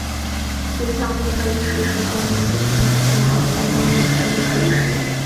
心脏内科医师是专门诊断心脏相关问题的内科医师。